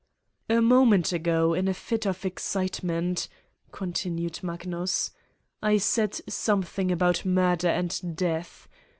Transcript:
"A moment ago, in a fit of excitement, " con tinued Magnus, "I said something about murder and death.